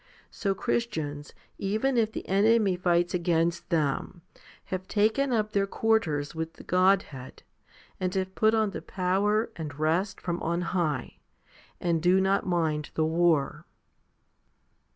So Christians, even if the enemy fights against them, have taken up their quarters with the Godhead, and have put on the power and rest from on high, and do not mind the war.